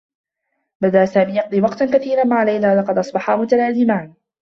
بدأ سامي يقضي وقتا كثيرا مع ليلى. لقد أصبحا متلازمان.